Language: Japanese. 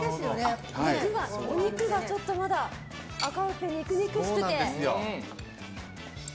お肉がちょっとまだ赤くて肉々しくて。